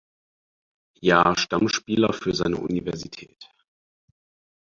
Jahr Stammspieler für seine Universität.